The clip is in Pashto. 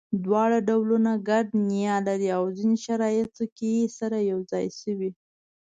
دواړه ډولونه ګډه نیا لري او ځینو شرایطو کې سره یو ځای شوي.